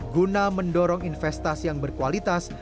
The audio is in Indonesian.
guna mendorong investasi yang berkualitas